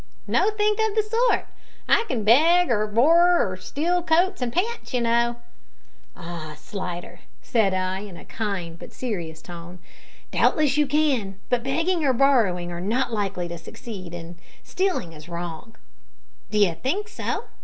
"Nothink of the sort; I can beg or borrer or steal coats and pants, you know." "Ah, Slidder!" said I, in a kind but serious tone, "doubtless you can, but begging or borrowing are not likely to succeed, and stealing is wrong." "D'you think so?"